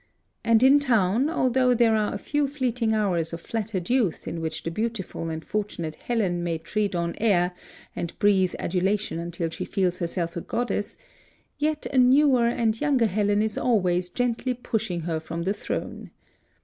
And in town, although there are a few fleeting hours of flattered youth in which the beautiful and fortunate Helen may tread on air and breathe adulation until she feels herself a goddess, yet a newer and younger Helen is always gently pushing her from the throne.